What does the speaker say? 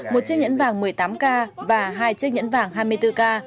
một chiếc nhẫn vàng một mươi tám k và hai chiếc nhẫn vàng hai mươi bốn k